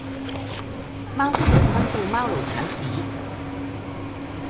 貓星人吩咐貓奴剷屎